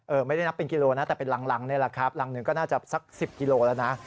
ไม่ได้นับเป็นกิโลนะแต่เป็นหลังนี่แหละครับหลังหนึ่งก็น่าจะสัก๑๐กิโลแล้วนะ